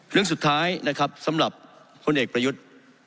เรื่องสุดท้ายนะครับสำหรับพลเอกประยุทธ์